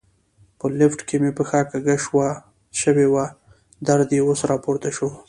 په لفټ کې مې پښه کږه شوې وه، درد یې اوس را پورته شو.